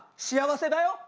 幸せだよ。